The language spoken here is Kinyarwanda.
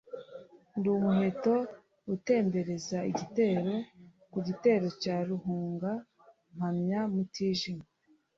Ndi umuheto utembereza igitero, ku gitero cya Ruhunga mpamya Mutijima.